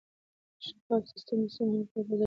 شفاف سیستم د سمې همکارۍ فضا جوړوي.